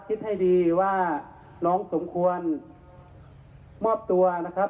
คิดให้ดีว่าน้องสมควรมอบตัวนะครับ